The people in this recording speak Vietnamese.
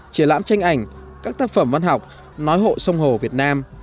triển lãm tranh ảnh các tác phẩm văn học nói hộ sông hồ việt nam